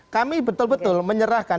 kami betul betul menyerahkan